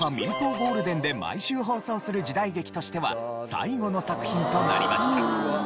ゴールデンで毎週放送する時代劇としては最後の作品となりました。